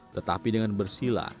tetapi dengan bersilah